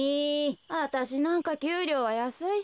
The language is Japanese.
あたしなんかきゅうりょうはやすいし。